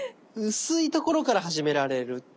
薄いところから始められる。